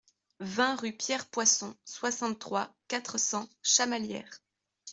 vingt rue Pierre Poisson, soixante-trois, quatre cents, Chamalières